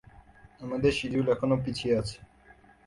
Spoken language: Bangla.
আমাদের সিডিউল এখনো পিছিয়ে আছে।